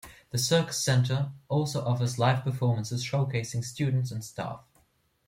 The Circus Center also offers live performances showcasing students and staff.